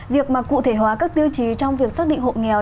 việc mà cụ thể hóa các tiêu chí trong việc xác định hộ nghèo